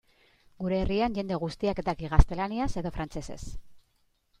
Gure herrian jende guztiak daki gaztelaniaz edo frantsesez.